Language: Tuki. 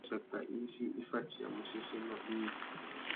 Upwêkunú râ issassaka izí i fatiyamú séssénô ignï.